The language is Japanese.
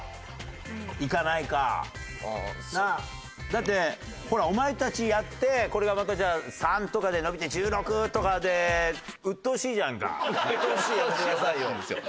だってほらお前たちやってこれがまたじゃあ３とかで伸びて１６とかで「うっとうしい」やめてくださいよ。